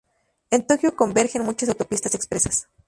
En Tokio convergen muchas autopistas expresas.